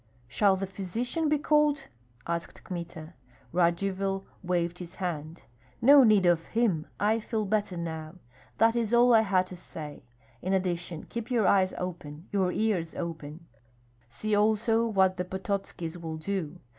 "Shall the physician be called?" asked Kmita. Radzivill waved his hand. "No need of him I feel better now That is all I had to say In addition keep your eyes open, your ears open See also what the Pototskis will do.